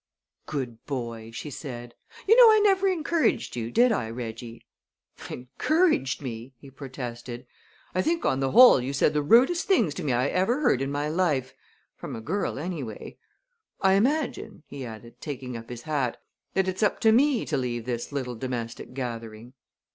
"Good boy!" she said. "You know I never encouraged you did I, Reggie?'" "Encouraged me!" he protested. "I think, on the whole, you said the rudest things to me I ever heard in my life from a girl, anyway. I imagine," he added, taking up his hat, "that it's up to me to leave this little domestic gathering."